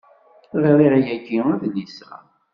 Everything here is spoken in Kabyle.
Ɣriɣ yagi adlis-a.